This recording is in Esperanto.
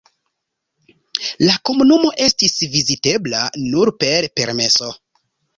La komunumo estis vizitebla nur per permeso.